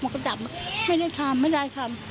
ก็จับไม่ได้ทำไม่ได้ทำ